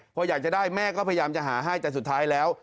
พออยากจะได้แม่ก็พยายามจะหาให้แต่สุดท้ายแล้ว